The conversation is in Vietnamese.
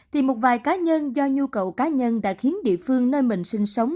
thì một vài cá nhân do nhu cầu cá nhân đã khiến địa phương nơi mình sinh sống